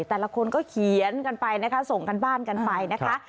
แต่ละคนก็เขียนกันไปนะคะส่งกันบ้านกันไปนะคะ